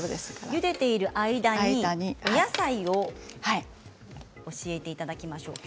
ゆでている間にお野菜を教えていただきましょう。